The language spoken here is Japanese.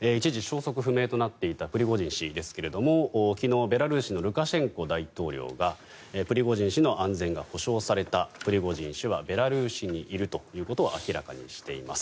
一時消息不明となっていたプリゴジン氏ですが昨日、ベラルーシのルカシェンコ大統領がプリゴジン氏の安全が保証されたプリゴジン氏はベラルーシにいるということを明らかにしています。